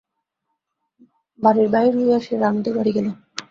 বাড়ির বাহির হইয়া সে রানুদের বাড়ি গেল।